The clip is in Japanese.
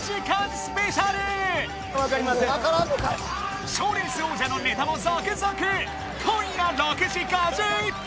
スペシャルショーレース王者のネタも続々今夜６時５１分